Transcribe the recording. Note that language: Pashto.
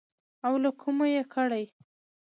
او له کومه يې کړې.